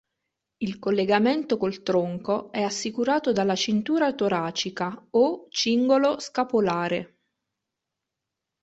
Il collegamento col tronco è assicurato dalla "cintura toracica" o "cingolo scapolare".